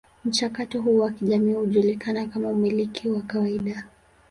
Mchakato huu wa kijamii hujulikana kama umiliki wa kawaida.